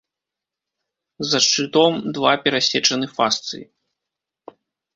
За шчытом два перасечаны фасцыі.